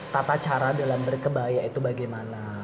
tata cara dalam berkebaya itu bagaimana